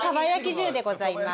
重でございます。